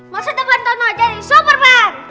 masa depan tono jadi superman